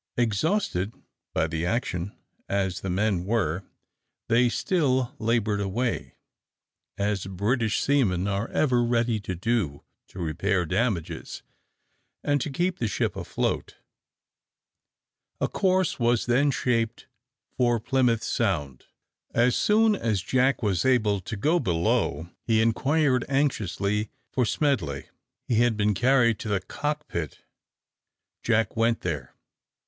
Exhausted by the action as the men were, they still laboured away, as British seamen are ever ready to do, to repair damages, and to keep the ship afloat. A course was then shaped for Plymouth Sound. As soon as Jack was able to go below, he inquired anxiously for Smedley. He had been carried to the cock pit. Jack went there.